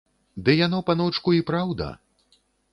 Ды яно, паночку, і праўда!